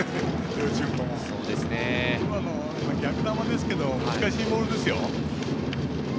今の、逆球ですけど難しいボールですよ。